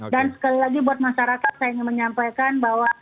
dan sekali lagi buat masyarakat